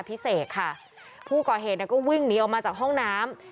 พิเศษค่ะผู้ก่อเหตุเนี่ยก็วิ่งหนีออกมาจากห้องน้ำ